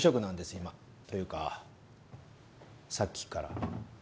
というかさっきから。